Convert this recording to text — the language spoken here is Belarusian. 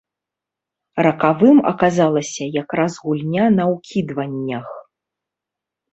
Ракавым аказалася якраз гульня на ўкідваннях.